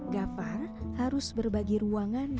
gavar harus berbagi ruangan